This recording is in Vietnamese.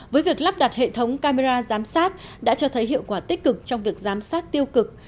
với việc lắp đặt hệ thống camera giám sát đã cho thấy hiệu quả tích cực trong việc giám sát tiêu cực